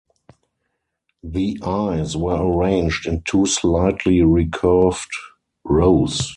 The eyes were arranged in two slightly recurved rows.